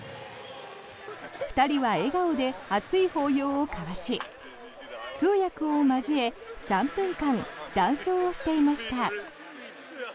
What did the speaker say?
２人は笑顔で熱い抱擁を交わし通訳を交え３分間、談笑をしていました。